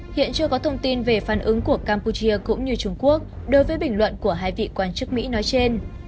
hiện chưa có thông tin về phản ứng của campuchia cũng như trung quốc đối với bình luận của hai vị quan chức mỹ nói trên